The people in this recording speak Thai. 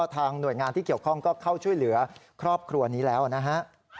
ทางหน่วยงานที่เกี่ยวข้องก็เข้าช่วยเหลือครอบครัวนี้แล้วนะฮะ